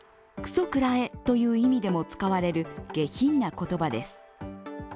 くそくらえという意味でも使われる下品な言葉です。